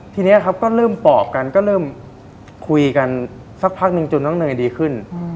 ทีนี้ครับก็เริ่มปอบกันก็เริ่มคุยกันสักพักนึงจนน้องเนยดีขึ้น